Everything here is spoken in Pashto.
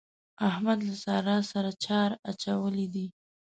احمد له سارا سره چار اچولی دی.